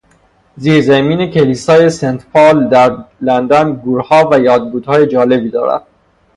زیرزمین کلیسای سنت پال در لندن گورها و یادبودهای جالبی دارد.